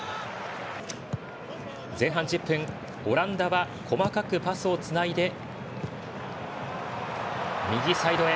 前半１０分、オランダは細かくパスをつないで右サイドへ。